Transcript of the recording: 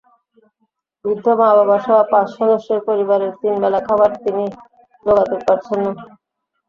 বৃদ্ধ মা-বাবাসহ পাঁচ সদস্যের পরিবারের তিন বেলা খাবার তিনি জোগাতে পারছেন না।